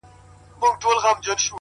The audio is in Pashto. دا ستا دسرو سترگو خمار وچاته څه وركوي _